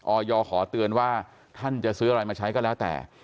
อยขอเตือนว่าท่านจะซื้ออะไรมาใช้ก็แล้วแต่